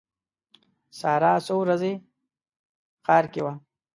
ساره څو ورځې ښار کې وه.